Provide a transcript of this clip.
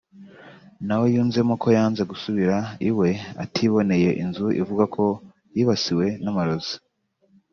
na we yunzemo ko yanze gusubira iwe atiboneye inzu ivugwa ko yibasiwe n’amarozi